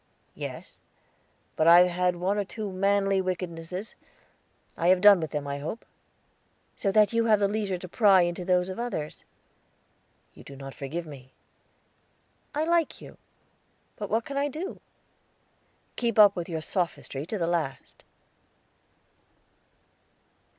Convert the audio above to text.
"Yes, but I have had one or two manly wickednesses. I have done with them, I hope." "So that you have leisure to pry into those of others." "You do not forgive me." "I like you; but what can I do?" "Keep up your sophistry to the last."